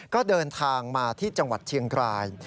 ก็เดินทางมาที่จังหวัดเชียงราย